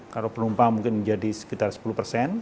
kalau penumpang mungkin menjadi sekitar sepuluh persen